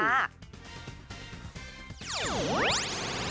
โอ้โฮ